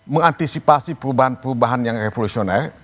mengantisipasi perubahan perubahan yang revolusioner